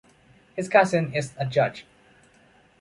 His cousin is a judge.